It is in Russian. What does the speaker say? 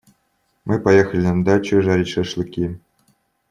Мы поехали на дачу жарить шашлыки.